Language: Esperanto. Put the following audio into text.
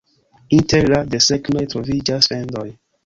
Inter la desegnoj troviĝas fendoj.